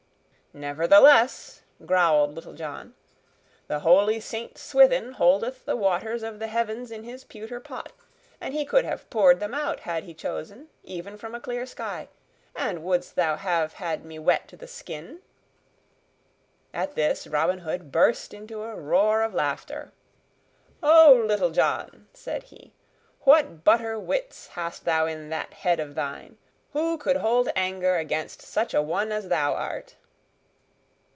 "Nevertheless," growled Little John, "the holy Saint Swithin holdeth the waters of the heavens in his pewter pot, and he could have poured them out, had he chosen, even from a clear sky; and wouldst thou have had me wet to the skin?" At this Robin Hood burst into a roar of laughter. "O Little John!" said he, "what butter wits hast thou in that head of thine! Who could hold anger against such a one as thou art?"